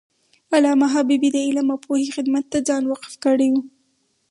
علامه حبیبي د علم او پوهې خدمت ته ځان وقف کړی و.